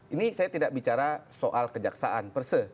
ini saya tidak bicara soal kejaksaan perse